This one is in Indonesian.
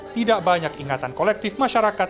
tidak banyak ingatan kolektif masyarakat